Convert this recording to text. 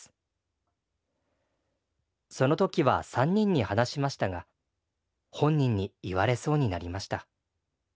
その時は３人に話しましたが本人に言われそうになりました。